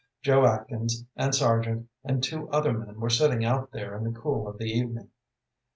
Joe Atkins, and Sargent, and two other men were sitting out there in the cool of the evening.